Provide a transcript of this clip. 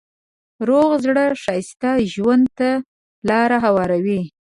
روغ زړه ښایسته ژوند ته لاره هواروي.